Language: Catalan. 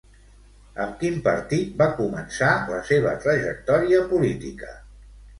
Amb quin partit va començar la seva trajectòria política?